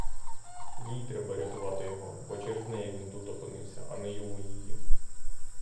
Їй треба рятувати його, бо через неї він тут опинився, а не йому її.